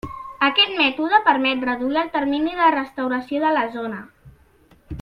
Aquest mètode permet reduir el termini de restauració de la zona.